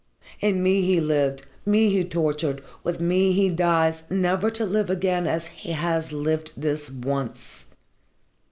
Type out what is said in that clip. In me he lived, me he tortured, with me he dies never to live again as he has lived this once.